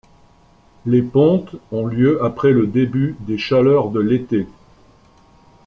Les pontes ont lieu après le début des chaleurs de l'été.